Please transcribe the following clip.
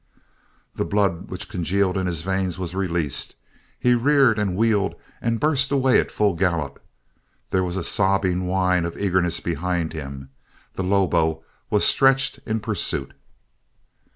The blood which congealed in his veins was released; he reared and wheeled and burst away at full gallop; there was a sobbing whine of eagerness behind him the lobo was stretched in pursuit.